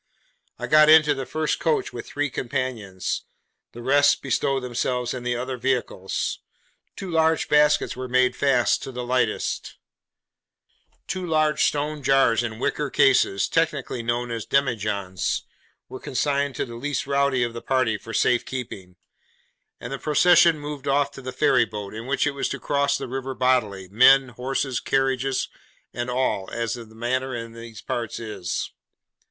I got into the first coach with three companions; the rest bestowed themselves in the other vehicles; two large baskets were made fast to the lightest; two large stone jars in wicker cases, technically known as demi johns, were consigned to the 'least rowdy' of the party for safe keeping; and the procession moved off to the ferryboat, in which it was to cross the river bodily, men, horses, carriages, and all, as the manner in these parts is.